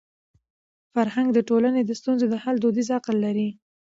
فرهنګ د ټولني د ستونزو د حل دودیز عقل لري.